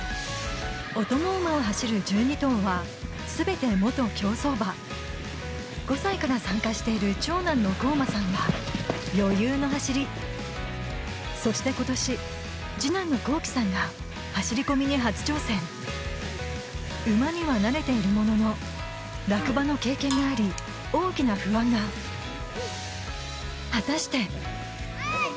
お供馬を走る１２頭は全て競走馬５歳から参加しているは余裕の走りそして今年が走り込みに初挑戦馬には慣れているものの落馬の経験があり大きな不安が果たしてはい！